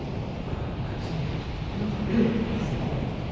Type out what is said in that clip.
"Ah, my dear, you are ill," said he.